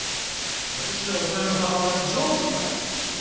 私はお前の母親の上司だぞ？